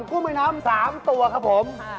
เป็นกุ้งแม่น้ำต้มยำ๓ตัวครับผม